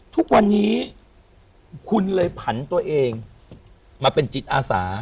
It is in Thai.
ทุกวันนี้คุณเลยผันตัวเองมาเป็นจิตอาสา